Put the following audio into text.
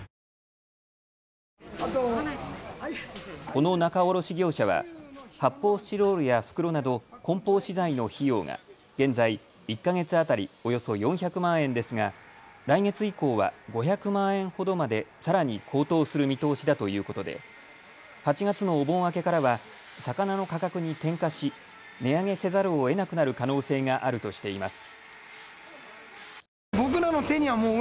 この仲卸業者は発泡スチロールや袋などこん包資材の費用が現在１か月当たりおよそ４００万円ですが来月以降は５００万円ほどまでさらに好投する見通しだということで８月のお盆明けからは魚の価格に転嫁し値上げせざるをえなくなる可能性があるとしています。